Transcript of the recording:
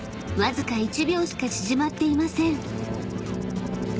［わずか１秒しか縮まっていません］